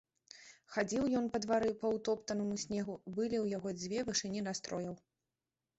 Хадзіў ён па двары, па ўтоптанаму снегу, і былі ў яго дзве вышыні настрояў.